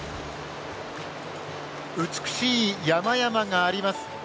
美しい山々があります。